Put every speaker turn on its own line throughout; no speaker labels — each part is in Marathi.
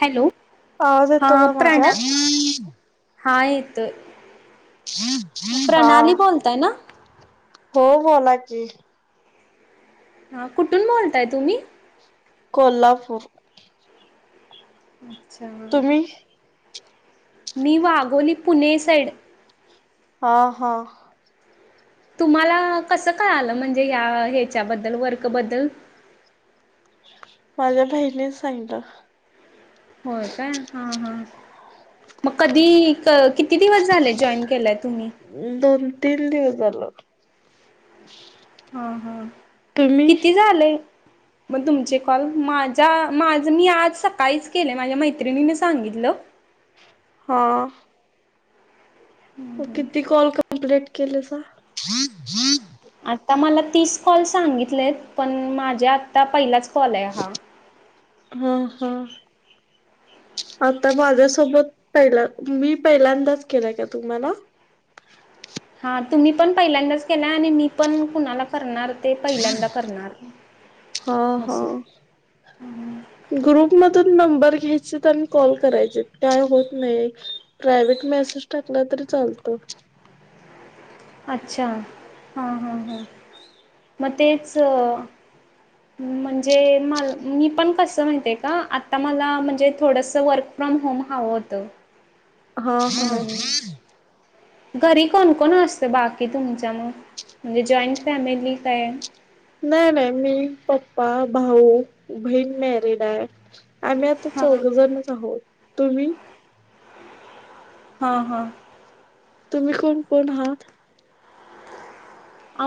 हॅलो
आवाज येतो
हा
का माझा
प्रणा हा येत
हा
प्रणाली बोलतय ना
हो बोला की
हा कुठून बोलताय तुम्ही
कोल्हापूर
अच्छा
तुम्ही
मी वागोली पुणे साईड
हा हा
तुम्हाला कसं कळालं म्हणजे या ह्याच्याबद्दल वर्कबद्दल
माझ्या बहिणी सांगलं
होय काय हा हा मग कधी किती दिवस झाले जॉईन केलंय तुम्ही
दोन तीन दिवस झाल
हा हा किती झाले मग तुमचे कॉल माझा माझ मी आज सकाळीच केले माझ्या मैत्रिणीने सांगितलं
हा किती कॉल कंप्लीट केले
आता मला तीस कॉल सांगितलेत पण माझ्या आता पहिलाच फले हा
हम हम आता माझ्यासोबत पहिला मी पहिल्यांदाच केला का तुम्हाला
हा तुम्ही पण पहिल्यांदाच केला आणि मी पण कुणाला करणार ते पहिल्यांदा करणार
हा हा
असं
ग्रुपमधून मेंबर घ्याय आणि कॉल करायचे काय होत नाही प्रायवहेट मेसेज टाकला तरी चालतो
अच्छा हा हा हा मग तेच म्हणजे म मी पण कस माहतीे का आता मला म्हणजे थोडस वर्क फ्रॉम होम हा होतं
हा हा
म्हणून घरी कोणकोण असत बाकी तुमच्या म म्हणजे जॉईंट फॅमिली काय
नाही नाही मी पप्पा भाऊ बहीण मॅरिड आहे आम्ही आता
हां
चौघजणच आहोत तुम्ही
हम हम
तुम्ही कोण कोण आहात
आ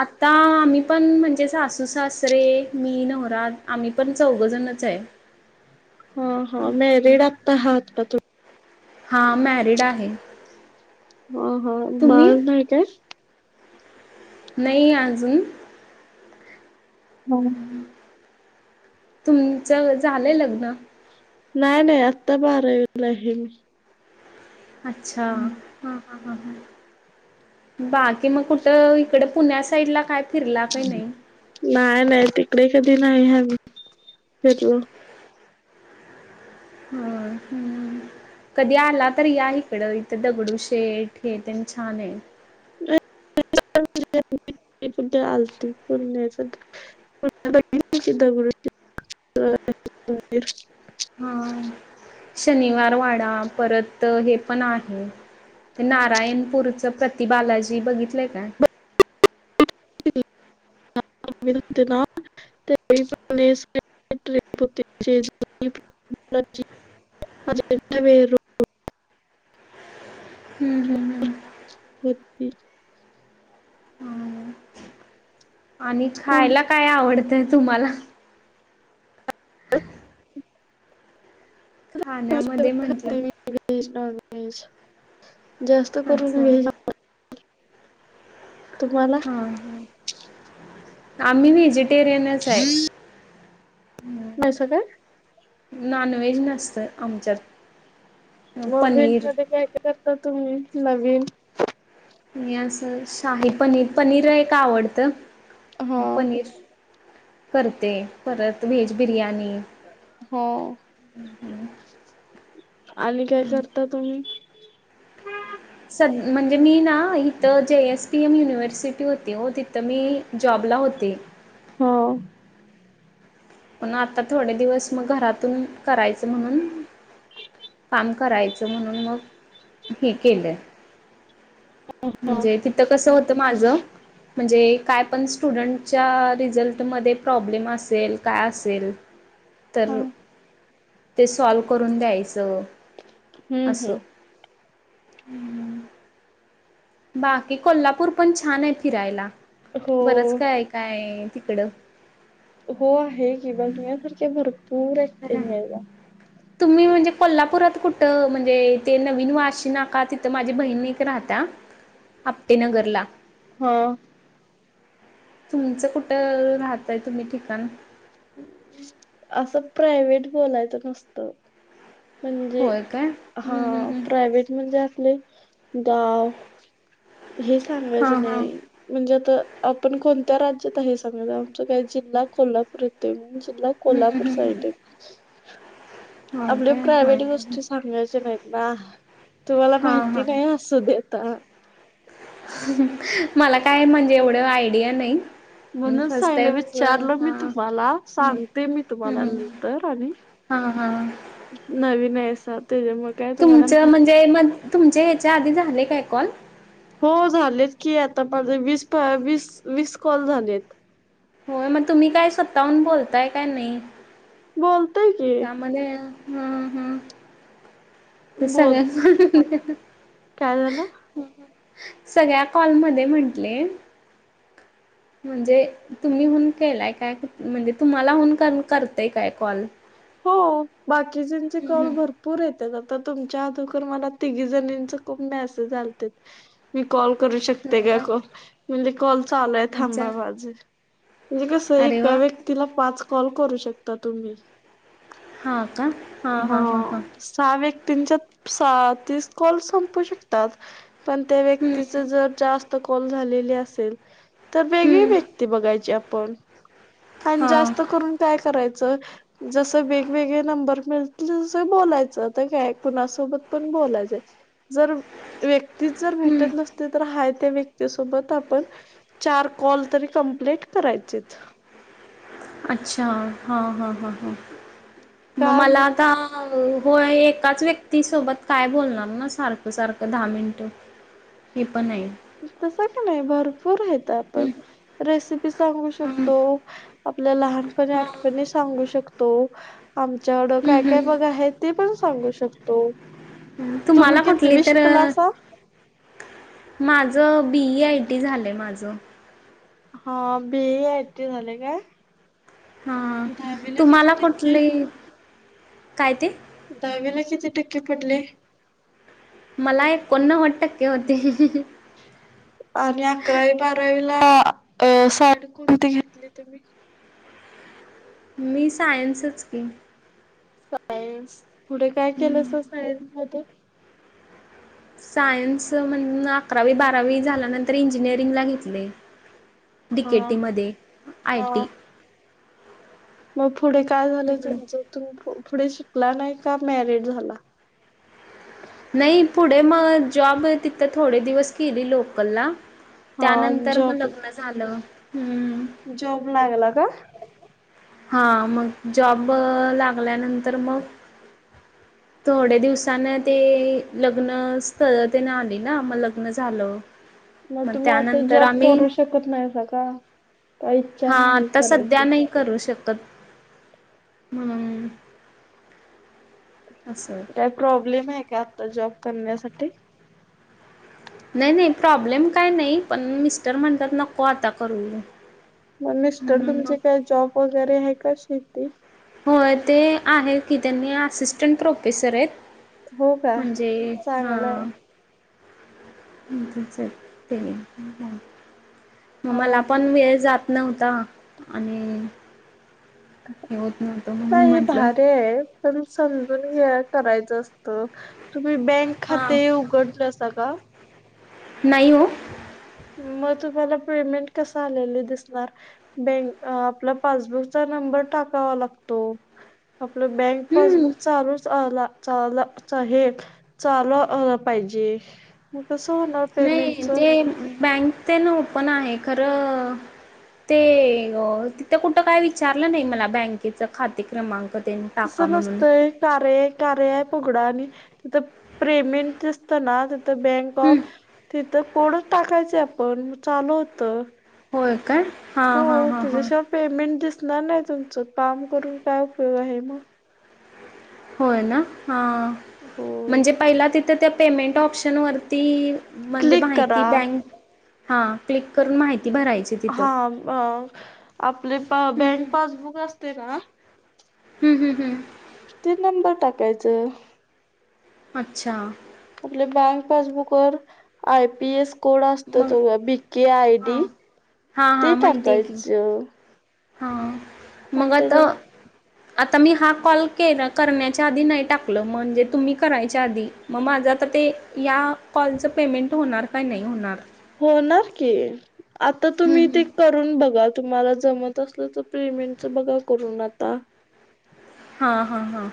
आता आम्ही पण म्हणजे सासू सासरे मी नवराात आम्ही पण चौघजणच आहे
हा हा मे रेड आपता हा हात पाथू
हा मॅरिड आहे
ह हा बाळ
तुम्ही?
नाही तर
नाही अजून
होम
तुमच झालंय लग्न
नाही नाही आत्ता बारावीला आहे मी
अच्छा ह बाकी मग कुठं इकड पुण्या साईडला काय फिरला काही नाही?
नाही नाही तिकडे कधी नाही हम् फिरलो
हम हम्म कधी आला तरी या इकडं इथं दगडू शेठ हे छान आहे
[unintelligible] आलतीोलण्या चि अ
हा शनिवार वाडा परत हे पण आहे ते नारायणपूरच प्रति बालाजी बघितलंय का
[unintelligible] ना ते [unintelligible] हज व
हम् हम्
होे
हम्म. आणि
स्कूल
खायला काय आवडतंय तुम्हाला ह् खाण्यामध्ये म्हंटलं
ते व्हेज नॉन वहेज जास्त करून
अच्छा
वज
हा ह आम्ही व्हेजिटेरियनच आहे
नाहीस का [unintelligible]
नॉन व्हेज नसत आमच्यात.
मोबाईल
पनीर
मध्ये काय काय करता तुम्ही नवीन -
आणि अस शाही पनीर पनीर नाही का आवडतं
हा
पनीर - करते परत व्हेज बिर्याणी.....
हो आणि काय करता तुम्ही?
साध्या म्हणजे मी ना इथं जे एस पी एम युनिव्हर्सिटी - होते हो तिथं मी जॉबला होते.
हो
पण आता थोडे दिवस मग घरातून करायचं म्हणून - काम करायचं म्हणून मग हे केलंय.
हा
म्हणजे तिथं कसं होतं माझं म्हणजे - काय पण स्टुडंट च्या रिझल्टमध्ये प्रॉब्लेम असेल काय असेल -
हा
तर ते सॉल्व करून द्यायचं.
हम्म.... हम्म
हम्म... बाकी कोल्हापूर पण छान आहे, फिरायला
हो
बरंच काय काय ये. तिकडं.
हो आहे की, बघण्यासारखे भरपूर आहे
खरं
पुण्याला.
तुम्ही म्हणजे कोल्हापुरात कुठं म्हणजे ते नवीन वाशी नाका तिथं माझी बहीण एक राहते. आ आप्टे नगरला.
हा.
तुमचं कुठं राहतय तुम्ही ठिकाण?
असं प्रायव्हेट बोलायचं नसत. म्हणजे
होय काय हम्म हम्म
हा
हम्म
प्रायव्हेट म्हणजे अ गाव हे सांगायच
हा हा
नाही म्हणजे. तर आपण कोणत्या राज्यात आहे, सांगत आमचा काय जिल्हा कोल्हापूर येतोय म्हणून. जिल्हा
हम्म
कोल्हापूर
हम्म हम्म
साईड
हम्म
ये
हो
आपल्या
काय
प्रायव्हेट
हा
गोष्टी सांगायच्या नाही. वा तुम्हाला
हा
माहिती नाही असु देता.
अं ह ह... मला काय म्हणजे एवढं आयडिया नाही.
म्हणून
फर्स्ट
साई न
टाइमच
विचारल मी
हा
तुम्हाला सांगते मी तुम्हाला नंतर आणि.
हा हा.
नवीन आहेसा त्याच्यामुळे काय तुम्हाला
तुमचं
माहिती
म्हणजे म तुमच्या ह्याच्या आधी झाले काय कॉल?
हो झालेत की आता माझे वीस, वीस, वीस कॉल झालेत.
होय मग तुम्ही काय स्वतःहून बोलताय काय नाही.
बोल.
त्यामुळे हम हम.. ते
बोल
सगळ्याच...
काय झालं?
[unintelligible] सगळ्या कॉल मध्ये म्हंटले.
[inaudible]
म्हणजे तुम्ही हून केलाय काय म्हणजे तुम्हाला हून करताय काय कॉल.
हो बाकीच्याचे
हम्म
कॉल्
हम्म
भरपूर येत तुमच्या आ दुगर मला तिघी जनीचा खुप मॅसेज आलते मी कॉल. करू शकते का कॉल् म्हणले कॉल्. चालू आहे,
अच्छा
थांबा माझे म्हणजे कसं आहे.
अरे
का
वा
व्यक्तीला पाच कॉल्. कॉल करू शकता तुम्ही.
हा का?
हा सहा व्यक्तीच्या त सहा तीस कॉल संपू शकतात. पण त्या
हम्म
व्यक्तीच जर जास्त कॉल् झालेले असेल. तर वेगळी
हम्म
व्यक्ती बघायची आपण आणि
हां
जास्त करून काय करायच. च जस वेगवेगळ्या नंबर. त बोलायचं आता काय कुणासोबत पण बोलायचं जर व्यक् तीच जर
हम्म
भेटत नसते तर हा. व्यक्ती सोबत आप चार कॉल तरी कंप्लीट करायचेत.
अच्छा हा हा हा हा मग मला आता. होय एकाच व्यक्तीसोबत काय बोलणार ना सारखं सारखं दहा मिनटं. ही प
तस का नाही भरपूर येत आपण
हम्म
रेसिपी सांगू शकतो.
हम्म
आपल्या लहानपणी आठपणी सांगू शकतो आमच्याकड काय काय बघा
हम्म
आहे ते पण. सांगू शकतो. तुम्ही
तुम्हाला कुठली
कितवी
तर
शिकलासा
माझ. जं बीई आय टी झालंय माझं.
हा बी ए आय टी झाले काय.
हा
दहावीला किती
तुम्हाला
टक्के?
कुठली काय ते.
दहावीला किती टक्के पडले.
मला एकोणन्नवद टक्के होते.
ह [unintelligible] आणि अकरावी बारावीला अ साईड कुणती घेतली तुम्ही
मी सायन्सच की
सायन्स पुढे काय
हम्म
केलं स सायन्स मधून
सायन्स म्हण अकरावी बारावी झाल्यानंतर इंजिनिअरिंगला घेतले
हा
डीकेटीमध्ये
हा.
आयटी
मग पुढे काय झालंय तुमचं तुम पुढे शिकला नाही का मॅरिड झाला
नाही पुढे मग जॉब तिथं थोडे दिवस केली लोकलला
हा
त्यानंतर मग
जॉब
लग्न झालं हम्म
जॉब लागला का [unintelligible]
हा मग जॉब लागल्यानंतर मग थोड्या दिवसान ते लग्न स्थळे आली ना मग लग्न झालं
मग तुम्ही आता
त्यानंतर
जॉब
आम्ही
करू शकत नाही स का काय इच्छा
हा
नाही
आता सध्या
करायची?
नाही करू शकत त हम
काय प्रॉब्लेम आहे का आता जॉब करण्यासाठी
नाही नाही प्रॉब्लेम काय नाही पण मिस्टर म्हणतात नको आता करू
मग मिस्टर
म्हणून मग
तुमचे काय जॉब वगैरे आहे का शेती
होय ते आहे की त्यांनी असिस्टंट प्रोफेसर आहेत
हो का
म्हणजे हा
चांगलंय
ते मग
हा
मला पण वेळ जात न्हता आणि हे होत नव्हतं म्हणून
नाही
म्हटलं
[unintelligible] पण समजून हे करायचं असत मुही बँक
हां
खाते उघडलं स का
नाहीय हो
मग तुम्हाला पेमेंट कस आ दिसणार बक आपला पासबुकचा नंबर टाका लागतो आप बँक
हम्म.
पासबुक चालू आला चाल हेल चालू पाहिजे कसं होणार
नाही
पेमेंटच
ते बँक ते ना ओपन आहे खरं ते तिथे कुठ काय विचारलं नाही मला बँकेच खाते क्रमांक ते
तसं
टाका म्हणून
नसतंय कार्य कार्य अँप फकडा आणि तिथ पेमेंट असत ना तीथ बँक
हम्म.
ऑफ तर कोडंच टाकायचे आपण चालू होतं.
होय काय.
हो
हां हां हां
त्याज्या
हां
शिवाय पेमेंट दिस नाई नाई तुमचं काम करून काय उपयोग आहे म.
होय ना हां
होय
म्हणजे पहिला तिथं त्या पेमेंट ऑप्शन वरती म्हणजे
क्लिक
म्हायती
करा
बँक हा क्लिक करून म्हायती
हा मं आपले प
हम्म
बँक पासबुक असते ना.
हम्म हम्म हम्म
ते नंबर टाकायचं.
अच्छा.
आपले बँक पासबुक वर आय पी एस कोड असतो
मग
तो बीके आय डी
हां हां
ते
हां माहिती आहे की
टाकायचं.
हां मग
आणि
आता.
त्याच्या
आता मी हा कॉल केला करण्याच्या आधी नाही टाकलं म्हणजे तुम्ही करायच्या आधी मग माझा. आता ते ह्या कॉलचं पेमेंट होणार काय नाही होणार?
होणार की आता
हं
तुम्ही ते
हं
करून बघा. तुम्हाला जमत असलं तर पेमेंटच बघा करून आता.
हां हां हां.